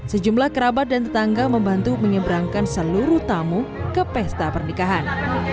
sejumlah kerabat dan tetangga membantu menyeberangkan seluruh tamu ke pesta pernikahan